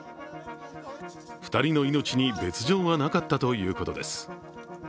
２人の命に別状はなかったということです。